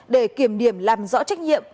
để kiểm niệm làm rõ trách nhiệm